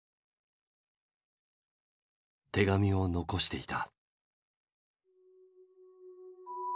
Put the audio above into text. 手紙を遺していた。